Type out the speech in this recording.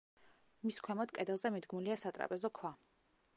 მის ქვემოთ, კედელზე მიდგმულია სატრაპეზო ქვა.